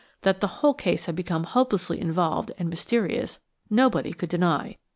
That the whole case had become hopelessly involved and mysterious, nobody could deny.